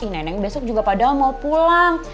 nenek besok juga padahal mau pulang